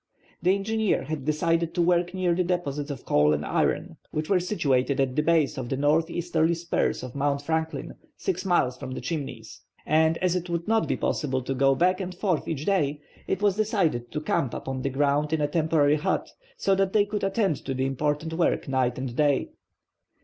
The engineer had decided to work near the deposits of coal and iron, which were situated at the base of the northeasterly spurs of Mount Franklin, six miles from the Chimneys. And as it would not be possible to go back and forth each day, it was decided to camp upon the ground in a temporary hut, so that they could attend to the important work night and day.